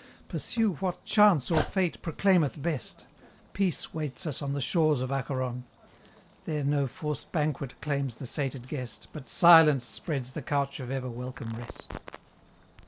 Pursue what chance or fate proclaimeth best; Peace waits us on the shores of Acheron: There no forced banquet claims the sated guest, But Silence spreads the couch of ever welcome rest.